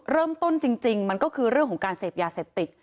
เริ่มต้นจริงมันก็คือเรื่องของการเสพยาเสพติด